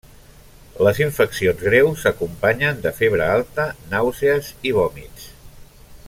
Les infeccions greus s'acompanyen de febre alta, nàusees i vòmits.